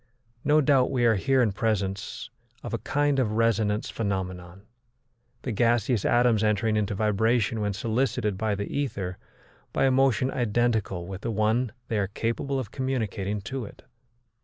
No doubt we are here in presence of a kind of resonance phenomenon, the gaseous atoms entering into vibration when solicited by the ether by a motion identical with the one they are capable of communicating to it.